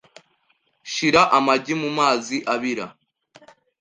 Shira amagi mumazi abira .